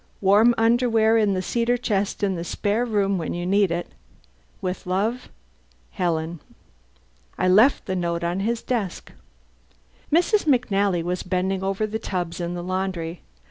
Warm underwear in the cedar chest in the spare room when you need it. With love, HELEN. I left the note on his desk. Mrs. McNally was bending over the tubs in the laundry.